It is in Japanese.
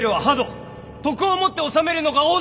徳をもって治めるのが王道なり！